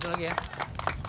terima kasih banyak